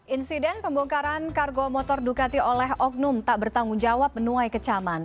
insiden pembongkaran kargo motor ducati oleh oknum tak bertanggung jawab menuai kecaman